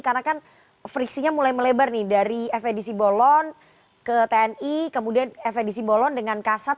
karena kan friksinya mulai melebar nih dari fedc bolon ke tni kemudian fedc bolon dengan kasat